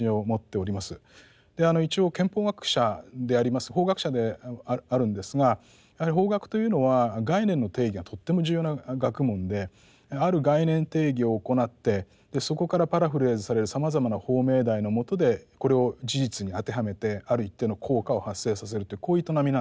で一応憲法学者であります法学者であるんですがやはり法学というのは概念の定義がとっても重要な学問である概念定義を行ってそこからパラフレーズされるさまざまな法命題の下でこれを事実に当てはめてある一定の効果を発生させるというこういう営みなんですね。